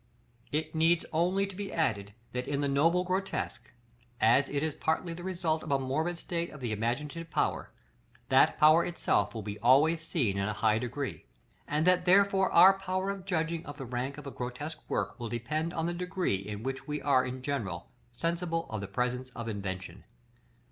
§ LXXI. It needs only to be added that in the noble grotesque, as it is partly the result of a morbid state of the imaginative power, that power itself will be always seen in a high degree; and that therefore our power of judging of the rank of a grotesque work will depend on the degree in which we are in general sensible of the presence of invention.